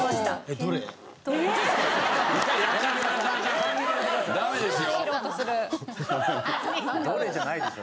「どれ？」じゃないでしょ。